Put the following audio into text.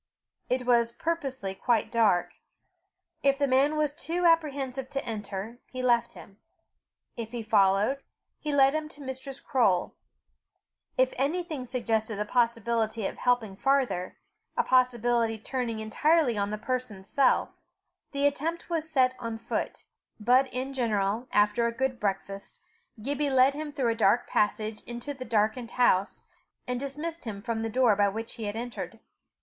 It was purposely quite dark. If the man was too apprehensive to enter, he left him; if he followed, he led him to Mistress Croale. If anything suggested the possibility of helping farther, a possibility turning entirely on the person's self, the attempt was set on foot; but in general, after a good breakfast, Gibbie led him through a dark passage into the darkened house, and dismissed him from the door by which he had entered.